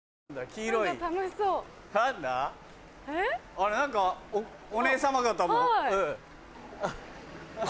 あれ何かお姉さま方も。